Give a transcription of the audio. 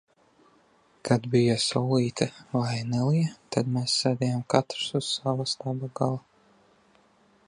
Kad bija saulīte vai nelija, tad mēs sēdējām katrs uz sava staba gala.